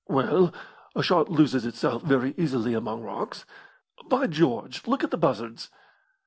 "Well, a shot loses itself very easily among rocks. By George, look at the buzzards!"